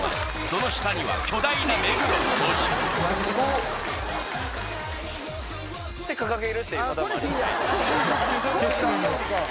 その下には巨大な「目黒」の文字ああ